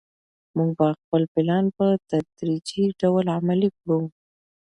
موږ به خپل پلان په تدریجي ډول عملي کړو.